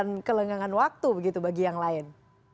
dan kelengangan waktu begitu bagi yang lain